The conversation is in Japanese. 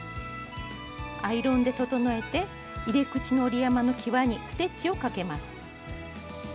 アイロンで整えて入れ口の折り山のきわにステッチをかけます。